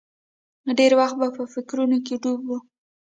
ډېر وخت به په فکرونو کې ډوب و.